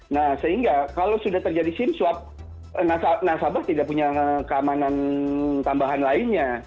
nah sehingga kalau sudah terjadi sim swab nasabah tidak punya keamanan tambahan lainnya